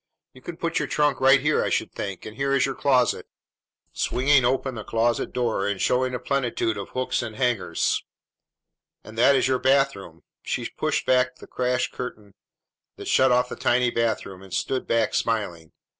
"You can put your trunk right here, I should think; and here is your closet," swinging open the closet door and showing a plenitude of hooks and hangers, "and that is your bathroom." She pushed back the crash curtain that shut off the tiny bathroom, and stood back smiling.